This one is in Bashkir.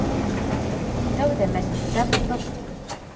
Тәүҙә мәсеттә булдыҡ.